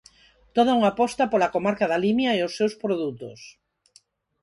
Toda unha aposta pola comarca da Limia e os seus produtos.